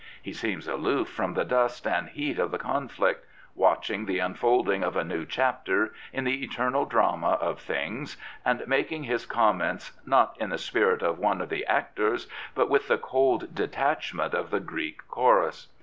He seems aloof from the dust and heat of the conflict, watching the unfolding of a new chapter in the eternal drama of things, and making his comments, not in the spirit of one of the actors, but with the cold detachment of the Greek chorus.